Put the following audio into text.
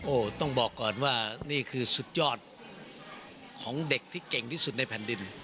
โอ้โหต้องบอกก่อนว่านี่คือสุดยอดของเด็กที่เก่งที่สุดในแผ่นดิน